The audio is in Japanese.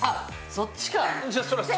そっちか！